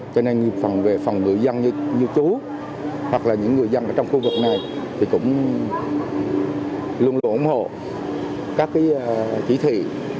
cho nên phần người dân như chú hoặc là những người dân ở trong khu vực này thì cũng luôn luôn ủng hộ các cái chỉ thị